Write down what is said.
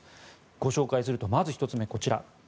ご紹介するとまず１つ目こちら。